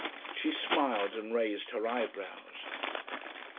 She smiled and raised her eyebrows.